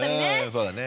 そうだね。